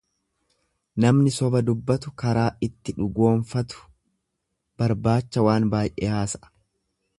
Namni soba dubbatu karaa ittin dhugoonfatu barbaacha waan baay'ee haasa'a.